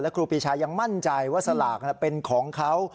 ครูปีชายังมั่นใจว่าสลากเป็นของเขา